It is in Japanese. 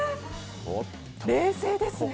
冷静ですね。